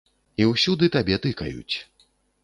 І ўсюды табе тыкаюць.